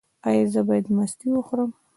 ایا زه باید مستې وخورم؟